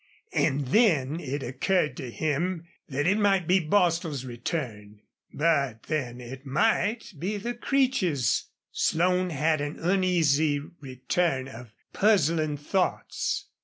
And then it occurred to him that it might be Bostil's return. But then it might be the Creeches. Slone had an uneasy return of puzzling thoughts.